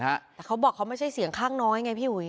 แต่เขาบอกเขาไม่ใช่เสียงข้างน้อยไงพี่อุ๋ย